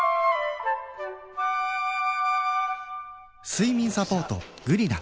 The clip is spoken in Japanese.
睡眠サポート「グリナ」